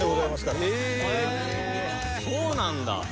そうなんだ。